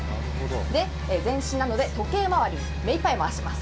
前進なので時計回り、目いっぱい回します。